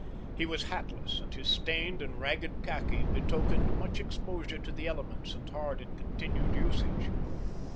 He was hatless, and his stained and ragged khaki betokened much exposure to the elements and hard and continued usage.